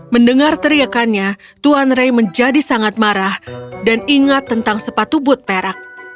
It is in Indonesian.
mendengar teriakannya tuan ray menjadi sangat marah dan ingat tentang sepatu but perak